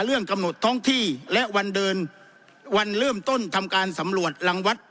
กำหนดท้องที่และวันเดินวันเริ่มต้นทำการสำรวจรังวัด